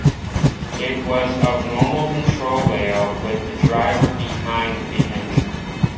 It was of normal control layout, with the driver behind the engine.